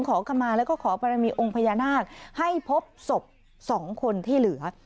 ขอขมาแล้วก็ขอบรมีองค์พญานาคให้พบศพ๒คนที่เหลือ